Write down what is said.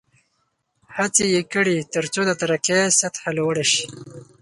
هڅې یې کړې ترڅو د ترقۍ سطحه لوړه شي.